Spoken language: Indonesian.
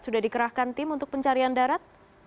sudah dikerahkan tim untuk pencarian darat